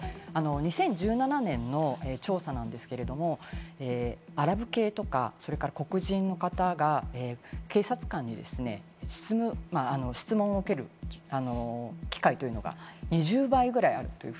２０１７年の調査なんですけれど、アラブ系とか、それから黒人の方が警察官に質問を受ける機会というのが２０倍ぐらいある。